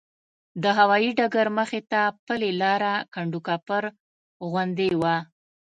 د هوایي ډګر مخې ته پلې لاره کنډوکپر غوندې وه.